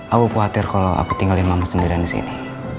aku khawatir kalau aku tinggalin mama sendirian disini